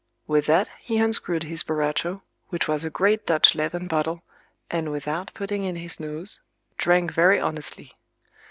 With that he unscrewed his borracho (which was a great Dutch leathern bottle), and without putting in his nose drank very honestly.